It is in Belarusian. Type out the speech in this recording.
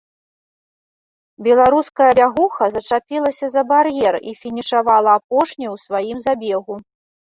Беларуская бягуха зачапілася за бар'ер і фінішавала апошняй у сваім забегу.